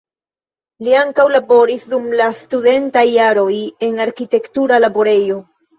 Li ankaŭ laboris dum la studentaj jaroj en arkitekta laborejo.